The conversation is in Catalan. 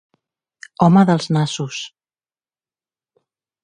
Home dels nassos.